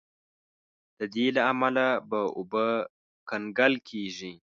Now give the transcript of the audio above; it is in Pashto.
د دې له امله به اوبه کنګل کیږي.